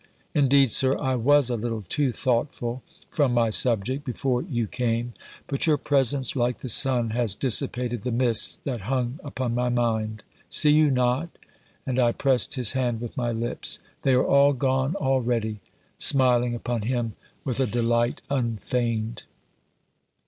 "Indeed, Sir, I was a little too thoughtful, from my subject, before you came; but your presence, like the sun, has dissipated the mists that hung upon my mind. See you not," and I pressed his hand with my lips, "they are all gone already?" smiling upon him with a delight unfeigned.